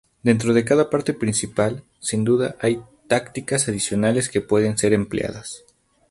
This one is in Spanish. Dentro de cada parte principal, sin duda hay tácticas adicionales que pueden ser empleadas.